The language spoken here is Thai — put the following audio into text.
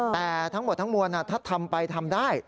แต่ทั้งหมดทั้งมวลถ้าทำไปทำได้